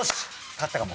勝ったかも。